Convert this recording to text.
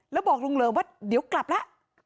แล้วบอกลุงเหลิมว่าเดี๋ยวกลับแล้ว